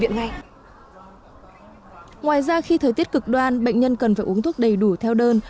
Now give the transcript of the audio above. ngoài ra khi thời tiết cực đoan bệnh nhân cần phải uống thuốc đầy đủ theo đơn